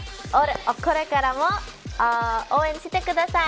これからも応援してください。